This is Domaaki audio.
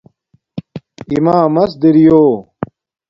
اِمامس دری یو